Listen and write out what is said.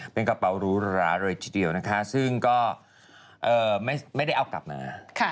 เป็นกระเป๋าหรูหราเลยทีเดียวนะคะซึ่งก็ไม่ได้เอากลับมา